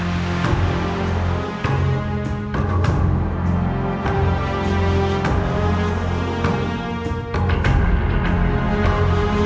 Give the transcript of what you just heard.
aku tidak akan mencobanya